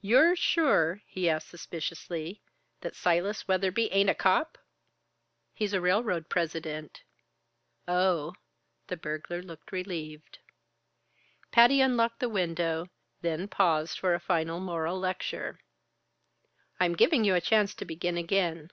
"Ye're sure," he asked suspiciously, "that Silas Weatherby ain't a cop?" "He's a railroad president." "Oh!" The burglar looked relieved. Patty unlocked the window, then paused for a final moral lecture. "I am giving you a chance to begin again.